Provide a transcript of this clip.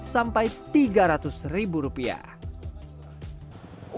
sampai tiga ratus ribu rupiah